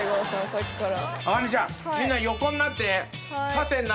さっきから。